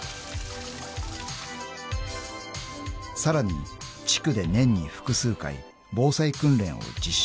［さらに地区で年に複数回防災訓練を実施］